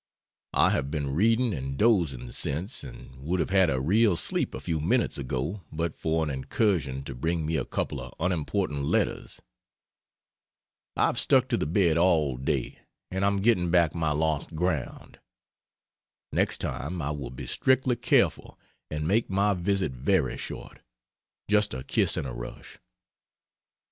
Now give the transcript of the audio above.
I have been reading and dozing since and would have had a real sleep a few minutes ago but for an incursion to bring me a couple of unimportant letters. I've stuck to the bed all day and am getting back my lost ground. Next time I will be strictly careful and make my visit very short just a kiss and a rush.